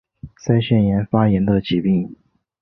腮腺炎发炎的疾病。